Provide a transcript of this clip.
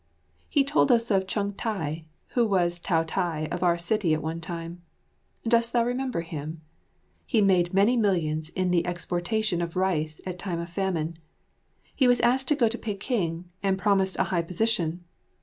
He told us of Chung tai, who was Taotai of our city at one time. Dost thou remember him? He made many millions in the exportation of rice at time of famine. He was asked to go to Peking, and promised a high position.